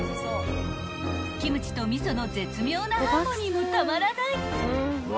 ［キムチと味噌の絶妙なハーモニーもたまらない］